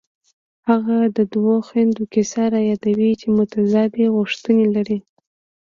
هغه د دوو خویندو کیسه رایادوي چې متضادې غوښتنې لري